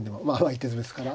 一手詰めですから。